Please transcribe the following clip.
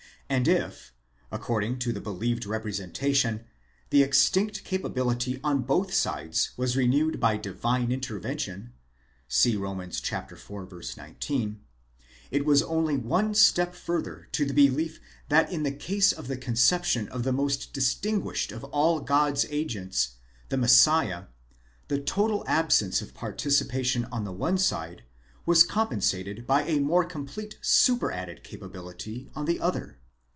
And if, according to the believed representation, the extinct capability on both sides was renewed by divine 'intervention (Rom. iv. 19), it was only one step further to the belief that in the case of the conception of the most distinguished of all God's agents, the Messiah, the total absence of participation on the one side was compensated by a more complete superadded capability on the other.